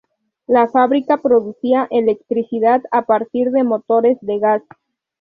La fábrica producía electricidad a partir de motores de gas.